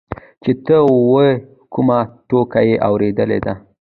چې ته وا کومه ټوکه يې اورېدلې ده.